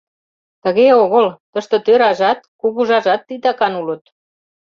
— Тыге огыл, тыште тӧражат, кугыжажат титакан улыт.